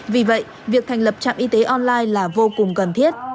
vì vậy việc thành lập trạm y tế online là vô cùng cần thiết